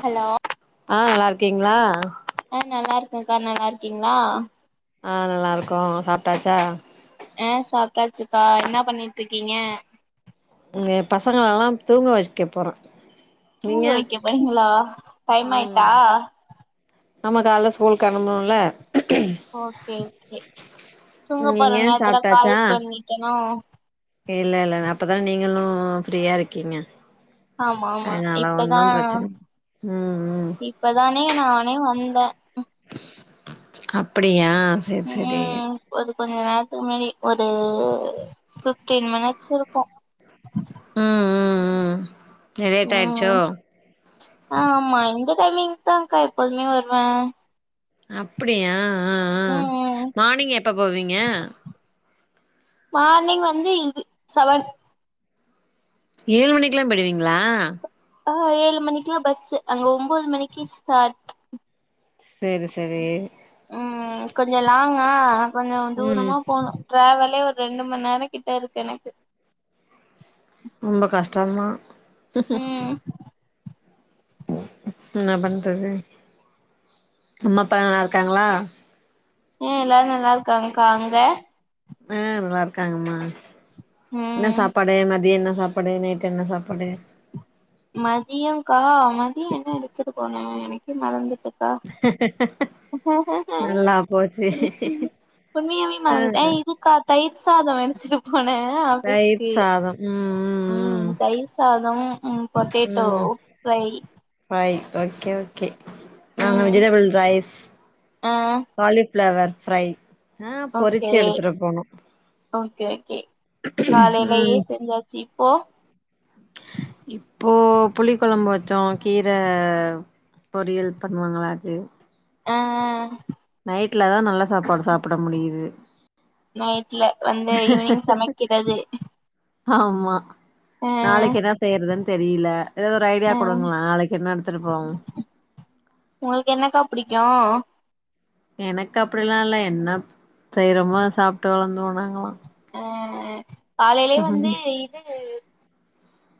Hello ஆ நல்லா இருக்கீங்களா ஆ நல்லா இருக்கேன்கா நல்லா இருக்கீங்களா ஆ நல்லாருக்கோ சாப்ட்டாச்சா ஆ சாப்ட்டாச்சுக்கா என்ன பண்ணிட்டு இருக்கீங்க இங்க பசங்கள எல்லா தூங்க வெக்க போறே தூங்க நீங்க வெக்க போரீங்களா டைம் ஆய்ட்டா ம் ஆமா கால்ல ஸ்கூலுக்கு கெலம்புனு இல்ல ஓக்கே ஓக்கே தூங்க போற நீங்க நேர்த்துல கால் பண்ணிட்டனோ ஏ இல்ல இல்ல அப்பதன நீங்களு ஃப்ரீயா இருக்கீங்க ஆமா ஆமா அதனால இப்பதா ஒன்னு பிரச்சன இல்ல உ உ இப்பதானே நானே வந்தே அப்படியா செரி செரி ம் ஒது கொஞ்ச நேரத்துக்கு முன்னாடி ஒரு ஃபிப்டீன் மினிட்ஸ் இருக்கு ம் ம் ம் லேட் ம் ஆயிடுச்சோ ஆமா இந்த டைமிங்க்கு தாங்க்கா எப்போத்மே வருவே அப்டியா ஆ ஆ ம் ம் மார்னிங் எப்ப போவீங்க மார்னிங் வந்து இது செவன் ஏழு மணிக்குலா போய்டுவீங்களா ஆ ஏழு மணிக்குலா பஸ்ஸு அங்க ஒம்போது மணிக்கு ஸ்டாட் சேரி சேரி கொஞ்ச லாங்கா கொஞ்சோ ம் தூரமா போணு ட்ராவலே ஒரு ரெண்டு மண்நேரோ கிட்ட இருக்கு எனக்கு ரொம்ப கஷ்டந்தா ம் என்ன பண்றது அம்மா அப்பா நல்லா இருக்காங்ளா ம் எல்லாரு நல்லா இருக்காங்கக்கா அங்க ஆ நல்லா இருக்காங்கம்மா என்ன ம் சாப்பாடு மதியோ என்ன சாப் பாடு நைட்டு என்ன சாப்பாடு மதியோங்க்கா மதியோ என்ன எடுத்துட்டு போனே எனக்கே மறந்துட் டுக்கா நல்லா போச்சு ம் ம் உண்மையாவே ஆ மாறந்துட்ட இதுக்கா தயிர் சாதோ எடுத்துட்டு போன ஆபீஸ்க்கு அதா ம் ம் ம் தயிர் சாதம் பொட்டேட்டோ ம் ம் ஃப்ரை ஃப்ரை ஓகே ஓகே நாங்க வெஜிடபிள் ரைஸ் அ காலிஃப்ளவர் ஃப்ரை ஆ ஓகே பொறிச்சு எடுத்துட்டு போனோ ஓகே ஓகே காலைலயே ம் செஞ்சாச்சு இப்போ இப்போ புளி கொழம்பு வச்சோ கீர பொரியல் பண்ணுவாங்கல்ல அது ஆ நைட்ல தா நல்ல சாப்பாடு சாப்பிட முடியிது நைட்ல வந்து ஈவினிங் சமைக்கிறது ஆமா ஆ நாளைக்கு என்ன செய்றதுன் தெரிய்ல எதாது ஒரு ஆ ஐடியா குடுங்களே நாளைக்கு என்ன எடுத்துட்டு போவோ உங்களுக்கு என்னக்கா புடிக்கு எனக்கு அப்டிலா இல்ல என்ன செய்றமோ அத சாப்ட்டு வளந்ததோ நாங்கல்லா ஆ காலைலே வந்து இது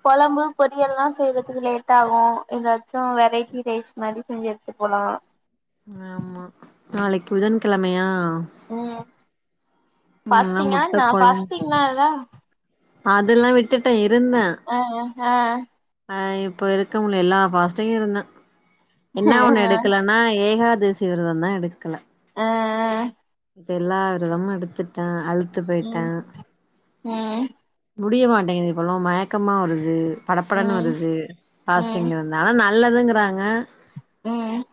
கொழம்பு பொரியல்லா செய்றதுக்கு லேட்டாகு எதாச்சு வெரைட்டி ரைஸ் மாரி செஞ்சு எடுத்துட் போலா ஆமா நாளைக் புதன் கெழமயா ம் பாஸ்டிங்கா முட்ட என்ன பாஸ்டிங் நாளா அதல்ல விட்டுட்டே இருந்தே அ அ ஆ இப்ப இருக்க முடில எல்லா பாஸ்ட்டு இருந்தே என்ன ஒண்ணு எடுக்கல னா ஏகாதசி விரதந்தா எடுக்கல அ மத்த எல்லா விரதமு எடுத்துட்டே அலுத்து போய்ட்டே ம் ம் முடிய மாட்டேங்குது இப்பெல்லா மயக்கமா வருது படப்படனு ம் வருது ம் பாஸ்டிங் இருந் ஆனா நல்லதுங்றாங்க ம்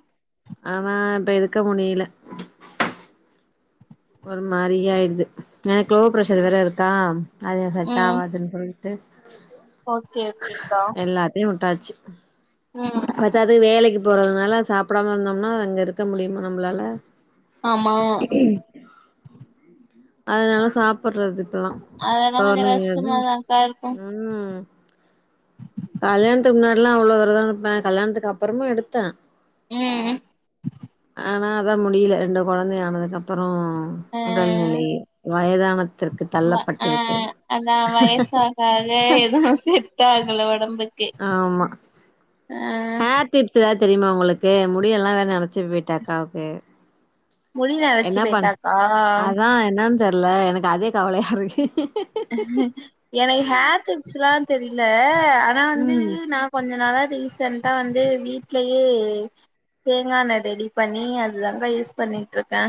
ஆனா இப்ப இருக்க முடியல ஒரு மாரி ஆய்டுது எனக் லோ ப்ரஷர் வேற இருக்கா அது செட் ம் ஆவாதுன் சொல் தெஸ் ஓகே ஓகேக்கா எல்லாத்யு வுட்டாச்சி ம் பத்தாது வேலைக்கு போறதுனால சாப்டாம இருந்தோம்னா அங்க இருக்க முடியுமா நம்ளால ஆமா அதனால சாப்புறது இப்பெல்லா அதெல்லா கொஞ்சோ பெளர்ணமி வேரதோ கஷ்டமாதாக்கா இருக்கு உம் கல்யாண்த்து முன்னாடி எல்லா அவ்ளோ வேரதோ இருப்ப கல்யாணத்துக்கு அப்புறமு எடுத்த ம் ஆனா அதா முடில ரெண்டு கொழந்த ஆனதுக்கு அப்பறோ ஆ உடல் நிலை வயதானத்திற்கு வ தள்ளப்பட்டு விட்டது காக எதுவு செட் ஆகல உடம்பு ஆமா ஹேர் டிப்ஸ் எதாது தெரியுமா உங்களுக்கு முடி எல்லா வேற நெறச்சி போய்ட்டு அக்காவுக்கு முடி நெரச்சு என்ன பண் போயிட்டாக்கா அதா என்னன் தெர்ல எனக்கு அதே கவலையா இருக்கு எனக் ஹேர் டிப்ஸ்லா தெரில ஆனா வந்து ம். நா கொஞ்ச நாளா ரீசென்டா வந்து வீட்லயே தேங்காண்ண டெடி பண்ணி அதுதாங்க யூஸ் பண்ணிட்ருக்க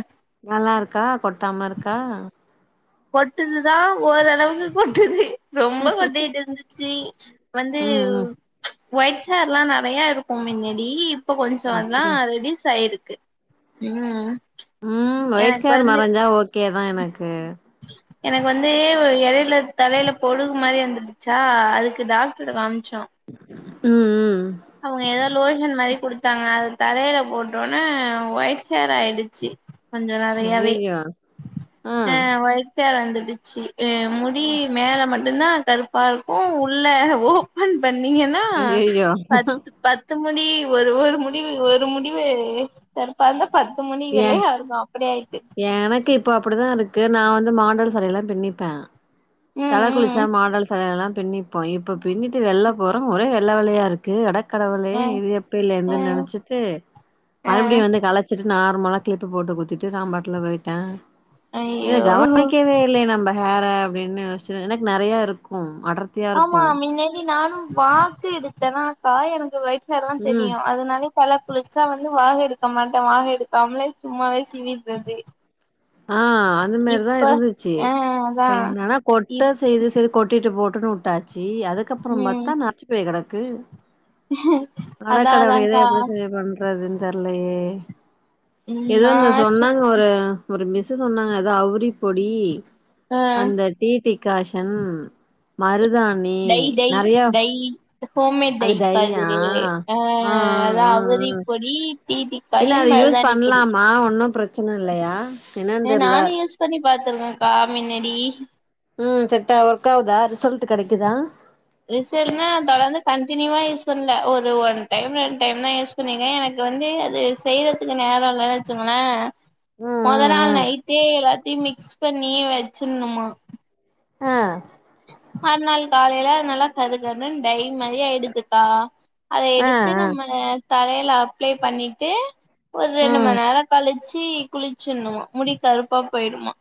நல்லா இருக்கா கொட்டாம இருக்கா கொட்டுதுதா ஓரளவுக்கு கொட்டுது ரொம்ப கொட்டிட்டு இருந்துச்சி வந்து ம், ம். ஒய்ட்ஹேர்ல்லா நெறைய இருக்கும் மின்னாடி இப்ப கொஞ்ச அதெல்லாம் அப்டி ரெடிஸ் ஆயிருக்கு உம் உம் ஒய்ட் ஹேர் மறஞ்சா ஓகே தா எனக்கு எனக்கு வந்து எடேல தலேல பொடுகு மாரி வந்துடுச் சா அதுக்கு டாக்டர்ட காம்ச்சோ ம் ம் அவங்க எதோ லோஷன் மாரி குடுத் தாங்க அது தலேல போட்டவோன்னே ஒயிட்ஹேர் ஆய்டுச்சி கொஞ்சோ நெறையவே ஐயய்யோ! ஆ ஒய்ட் ஒய்ட் ஹேர் வந்துடுச்சி எ முடி மேல மட்டும் தா கருப் பர்ப்பும் உள்ள ஓபன் பண்ணீங்கன் அய்ஐய்யோ பத்து முடி ஒரு ஒரு முடிவு ஒரு முடிவு கருப்பாந்தா பத்து ஏன்? முடிகளையு அதுக்கு அப்டி ஆய்ட்டு எனக்கு இப்ப அப்டிதா இருக் கு நா வந்து மாடல் சடயெல்லா பிண்ணிப்ப தல ம் குளிச்சா ம் மாடல் சடையெல்லா பிண்ணிப்போ இப்ப பிண்ணிட்டு வெள்ல போறோ ஒரே வெள்ள வெள்ளயா இருக்கு ஏ அட கடவுளே ஆ இது ஆ எப்பயில்லந்துன் நெனச்சிட்டு ஆ மறுபடியும் வந்து கலச் நார்மலா கிளிப்பு போட்டு குத்திட்டு நா பாட்டல போயிட்டே ஹே ஐயோ கவனிக்கவே இல்லையே நம்ம ஹேர அப்படின்னு யோச்சு எனக்கு நெறைய இருக்கும் அடர் ஆமா மின்னாடி நானு வாக்கு எடுத்தேன்னா அக்கா எனக்கு ஒய்ட் ஹேரல்லாம் ம் தெரியும் அதனாலே தல குளிச்சா வந்து வாகு எடுக்க மாட்டேன் வாகு எடுக்காமலே சும்மாவே சிவிர்தது ஆ அந்த மேதிரிதான் இருந்துச்சு ஆ அதா என்னன்னா கொட்ட இப் செய்து செரி கொட்டிட்டு போட்டுன்னு வுட்டாச்சு அதுக்கப்பறம் ம் பாத்தா நரச்சு போய் கெடக்கு அட அதா கடவுளே இத அதான்க்கா எப்டி செரி பண்றதுன் தெர்லையே ம் எதோ நா இந்த சு சொன்னாங்க ஒரு ஒரு மிஸ்ஸு சொன்னாங்க அது அவுரி பொடி ஆ அந்த டீ டிகாஷன் மருதாணி டை டை நெறைய டை ஹோம்மேட் அது டைரியா டைக்காதுலயே அ ஆ ஆ அதா ஆ ஆ அவுரிப்பொடி டீ டி இல்ல அது யூஸ் பண்லாமா ஒன்னு பிரச்சன இல்லையா என்னன்னு ஏ தெர்ல நானு யூஸ் பண்ணி பாத்துருக்கக்கா மின்னாடி ம் செட்டா வர்க் ஆவுதா ரிசல்ட் கெடைக்குதா ரிசல்னா தொடர்ந்து கண்டினியூவா யூஸ் பண்ல ஒரு ஒன் டைம் ரெண்டு டைம்தா யூஸ் பண்ணின எனக்கு வந்து அது செய்யறதுக்கு நேர இல்லன் வெச்சுக்களே ம் மொத நாள் ம் நைட்டே எல்லாத்தையு மிக்ஸ் பண்ணி வெச்சிர்ணுமா ஆ மறுநாள் காலைல நல்லா கரு கருனு டை மாரி ஆயிடுதுக்கா அத ஆ எடுத்து நம்ம தலையில அப்ளை பண்ணிட்டு ஒரு ஆ ரெண்டு ம் மண் நேர கழி ச்சி குளிச்சுர்னுமா முடி கருப்பா போயிடுமா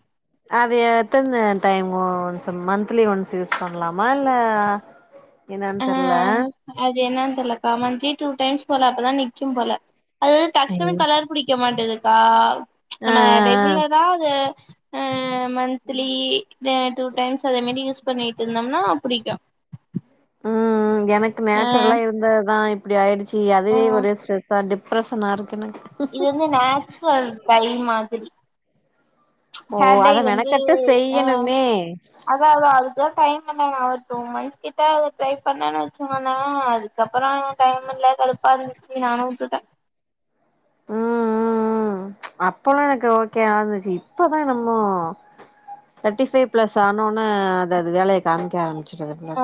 அது எத்தன time once monthly once use பண்லாமா இல்ல என்னான் ஆ தெர்ல அது என்னன் தெர்லக்கா மன்த்லி டூ டைம்ஸ் போல அப்பதா நிக்கும் போல அது டக்குனு கலர் புடிக்க மாட்டதுக்கா ஆ ஆ நம்ம ரெகுலரா அத மந்த்லி டூ டைம்ஸ் அதே மாரி யூஸ் பண்ணிட்டு இருந்தம்னா பிடிக்கு ம் ம் எனக்கு ஆ நேச்சுரலா இருந்ததுதா இப்படி ஆயிடுச்சு ஆ அதுவே ஒரு ஸ்ட்ரெஸ்தா டிப் ரசனா இருக்கு எனக்கு இது வந்து நேச்சுரல் டை மாதிரி ஓ ஹேர் டை அத வந்து மெனக்கட்டு ஆ செய்யணுமே அ தா அதா அதுதா டைம் இல்ல நா ஒரு டூ மந்த்ஸ் கிட்ட ட்ரை பண்ணன்னு வெச்சுக்கோளே அது க்கப்பற டைம் இல்ல சலுப்பா இருந்துச்சு நானு உட்டுட்ட ம் ம் ம் அப்பல்லா எனக்கு ஓகேவா இருந்துச்சு இப்பதா என்னமோ தேர்ட்டி ஃபைவ் பிளஸ் ஆனோன அது அது வேலைய காமிக்க ஆரம் ச்செர்ல ஆ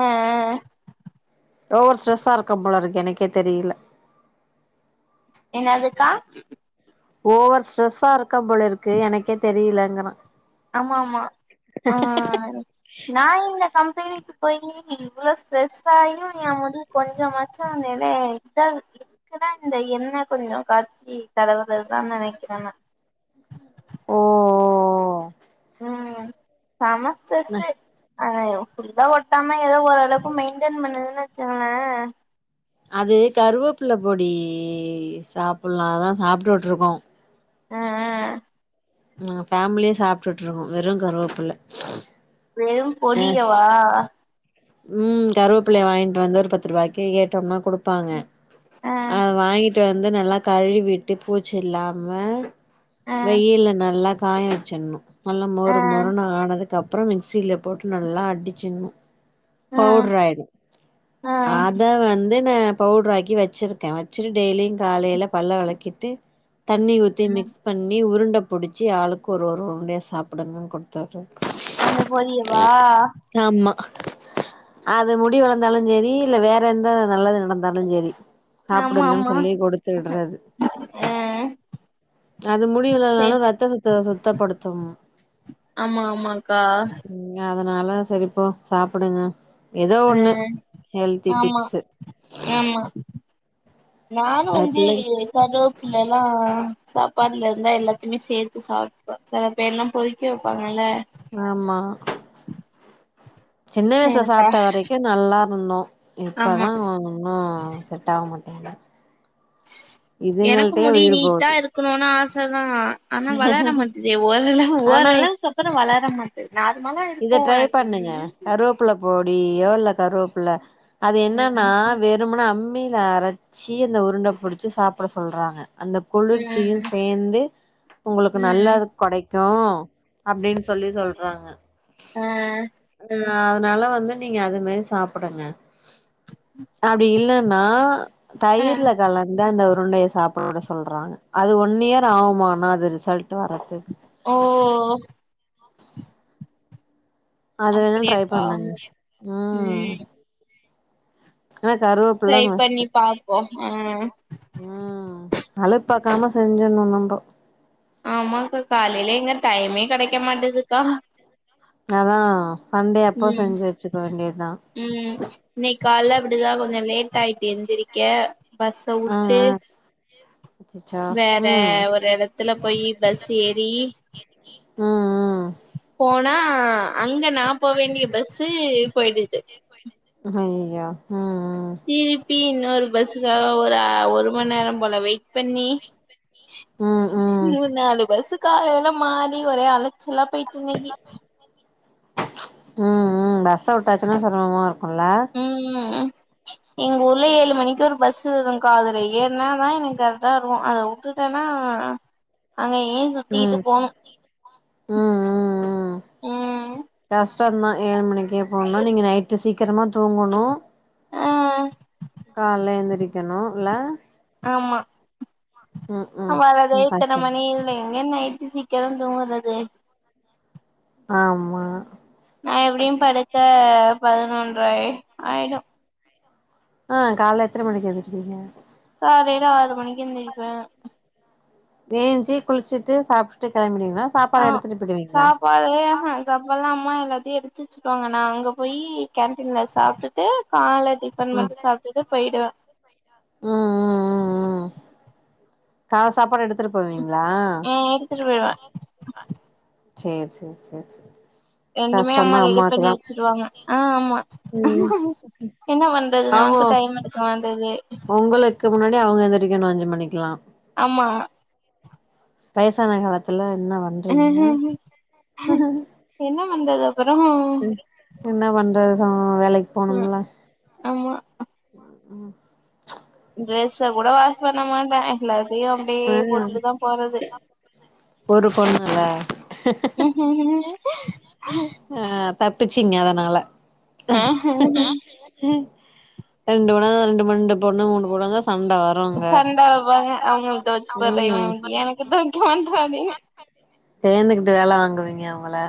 ஓவர் ஸ்ட்ரெஸ்ஸா இருக்கம் போல இருக்கு எனக்கே தெரியல என்னதுக்கா ஓவர் ஸ்ட்ரெஸ்ஸா இருக்கம் போல இருக்கு எனக்கே தெரியலங்ற ஆமாமா ஆ நா இந்த கம்பெனிக்கு போயி இவ்வள ஸ்ட்ரெஸ்ஸாயு எ முடி கொஞ்சமாச்சு அந்திது இதா க்குனா இந்த எண்ணெ கொஞ்ச காச்சி தடவுறதா நெனைக்கிற நா ஓ ம் செம ஸ்ட்ரெஸ்ஸு ஆனா எ ஃபுல்லா ஒட்டாம ஏதோ ஓரளவுக்கு மெயின்டென் பண்ணுதுன்னு வெச்சுக்களே அது கருவேப்பில பொடி சாப்பட்லானா சாப்ட்டுட்ருக்கோ அ அ நாங்க ஃபேமிலியே சாப்ட்டுட்ருக்கோ வெறு கருவேப்பில வெறும் அ பொடியவா ம் கருவேப்பிலய வாங்கிட்டு வந்து ஒரு பத்து ரூவாய்க்கு கேட்டம்னா குடுப்பாங்க ஆ அத வாங்கிட் டு வந்து நல்லா கழுவிட்டு பூச்சி இல்லாம ஆ வெயில்ல நல்லா காய வச்சிறணு நல்லா ஆ மொரு மொருணு ஆனதுக்கப்பறோ மிக்சியில போட்டு நல்லா அடிச்சணு ஆ பவுட்ரு ஆயிடு ஆ அதே வந்து நா பவுட்ராக்கி வச்சுருக்கே வச்சுட்டு டெய்லியு காலைவலே பல்ல வெளக்கிட்டு தண்ணி ஊத்தி மிக்ஸ் பண்ணி உருண்ட புடிச்சி ஆளுக்கு ஒரு ஒரு உருண்டையா சாப்பிடுங்கன்னு குடு அந்த பொடியவா ஆமா அது முடி வளந்தாலு செரி இல்ல வேற எந்த நல்லது நடந்தாலு செரி ஆமா சாப்புடுங்கன்னு ஆமா சொல்லி குடுத்துவுட்றது ஆ அது சே முடிவுலனாலு ரத்த சுத்த சுத்தப்படுத்து ஆமா ஆமாக்கா அதனால நானு செரிப்போ சாப்டுங்க ஏதோ ஆ ஒண்ணு ஹெல்தி ஆமா டிப்ஸ்ஸு ஆமா நானு அது வந்து பிள்ளைங் கரோப்புல்லா சாப்பாடுல இருந்தா எல்லாத்தையுமே சேத்து சாப்ட்டுப்போ செல இப்ப எல்லா பொறிக்கி வைப்பாங்கல்ல ஆமா சின்ன வயசுலே எனக்கா சாப்ட்ட வரைக்கு நல்லா இருந்தோ ஆமா இப்போதா இன்னு சரி செட்டாவ மாட்டிங்குது எனக்கு முடி உயிர் நீட்டா போகுது இருக் இருக்கணுனு ஆசதா ஆனா வளர மாட்டேதே ஓரளவு ஆனா ஓரளவுக்கு அப்றோ வளர மாட் நார்மாலா இருப்போ [unintelligible] வப்பில போடியோ இல்ல கருவேப்புல அது என்னன்னா ம் வேற் த அம்மியில அரச்சி அந்த உருண்ட புடிச்சி சாப்பட சொல்றாங்க அந்த குளிர்ச்சியு ம் சேந்து உங்களுக்கு நல்லா ம் குடைக்க அப்பிடின்னு சொல்லி சொல்றாங்க ஆ ஆ அதனால வந்து நீங்க அது மாரி சாப்புடுங்கே அப்பிடி இல்லன்னா ஆ தயிர்ல கலந்து அந்த உருண்டையை சாப் போடா சொல்றாங் அது ஒன் இயர் ஆகுமானா அது ரிசல்ட் வரது ஓ அதுவேணா ட்ரை அப்டியாக்கா பண்ணேங்கே ம் ஆனா கருவேப்பில்ல ட்ரை மஸ்டு பண்ணி பாப்போ ஆ ஆ அலுப்பாக்காம செஞ்சணு நம்ப ஆமாக்கா காலைலே எங்க டைமே கெடக்க மாட்டதுக்கா அதா சண்டே அப்போ ம் செஞ்சு வெச்சுக்க வேண்டியதா ம் இன்னை கால்ல அப்பிடிதா கொஞ்சோ லேட் ஆயிட்டு எந்திரக்க ஆ ஆ அ அச்சா வேற ம் ஒரு எடத்துல போயி பஸ் ஏறி ம் ம் போனா அங்க நா போ வேண்டிய பஸ்ஸு அய்யய்யோ போயிடுது ம் ம் திருப்பி இன்னொரு பஸ்ஸுக்காக ஒரு ஒரு மணி நேரம் போல வெயிட் பண்ணி ம் ம் ம் மூணு நாலு பஸ்ஸு காலெல்லா மாறி ஒரே அலச்சலா போயிட் ம் ம் பஸ் விட்டாச்சுன்னா சிரமமா இருக்குல்ல ம் ம் எங்க ஊர்ல ஏழு மணிக்கி ஒரு பஸ் வரு கா அதுல ஏற் என்னதா எனக்கு கரெக்டா வருமோ அத விட்டுட்டோன்னா அங்க ஏச் ம் ம் ம் ம் ம் கஸ்டோதான் ஏழு மணிக்கே போனுனா நீங்க நைட்டு சீக்கிரமா தூங்கணும் ஆ கால்ல எழுந்திரிக்கணும் இல ஆமா ம் அவரதேன் ம் இத்தன கஷ்டந்தா மணி இல்ல மையம் ஆயிருச்சு சீக்கிரம் தூங்குறது ஆமா நா எப்டியும் படுக்க பதினொன்ற ஆய் ஆயிடோம் ஆ கால எத்தன மணிக்கு ஏந்திருப்பிங்க காலைல ஆறு மணிக்கு எந்திருப்பன் ஏஞ்சி குளிச்சிட்டு சாப்டுட்டு கெளம்பிடுவீங்களா சாப்பாடு எடுத்துட்டு போயிடுவீங்களா பழைய ஆ ஆ அப்போல்லாம் அம்மா எல்லாத்தையும் எடுத்து வச்சுருவாங்க நா அங்க போய்யி கேன்டீன்ல சாப்டு ட்டு கால டிபண் மட்டும் சாப்டுட்டு போயிடுவன் ம் ம் ம் ம் கால சாப்பாடு எடுத்துட்டு போவீங்களா ஆ எடுத்துட்டு போயிடுவே சேர்‌ செரி செரி செரி ரெண்டுமே அம்மா ரெடி பண்ணி வெச்சடுவாங்க ஆ ஆமா ம் என்ன பண்றது அவுங்க நமக்கு டைம் இருக்க மாட்டுது அதுக்கு முன்னாடி அவங்க எந்தரிக்கனு அஞ்சுமணிக்குலா ஆமா வயசான காலத்துல என்ன பண்ண என்ன பண்றது அப்பறோம் என்ன பண்ணுறதுதான் வேலைக்கு ம் போணும்ல ஆமா ம்ம் ட்ரெஸ்ச கூட வாஷ் பண்ண மாட்டன் எல்லாத்தையும் அப்டியே ம் போட்டுட்டு தான் போறது ஒரு பொண்ணுல்ல [inaudible] ஆ தப்பிச்சிங்க அதனால ரெண்டு பொண்ணா ரெண்டு பொண்டு பொண்ணு மூணு பொன்னுதா சண்ட வரும் சண்ட வெப்பாங்க அவுங்கலுக்கு தோச்சி போடுற ம் இவுங்களுக்கு [unintelligible] சேர்ந்துகிட்டு வேல வாங்குவீங்க அவங்கள